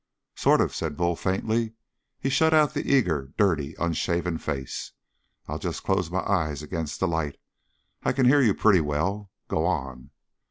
"Sort of," said Bull faintly. He shut out the eager, dirty, unshaven face. "I'll just close my eyes against the light. I can hear you pretty well. Go on."